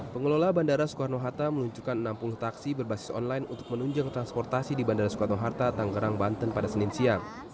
pengelola bandara soekarno hatta meluncurkan enam puluh taksi berbasis online untuk menunjang transportasi di bandara soekarno hatta tanggerang banten pada senin siang